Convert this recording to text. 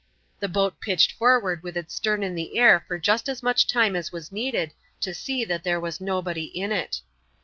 The boat pitched forward with its stern in the air for just as much time as was needed to see that there was nobody in it.